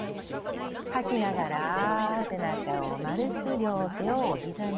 吐きながら背中を丸く両手をおひざに。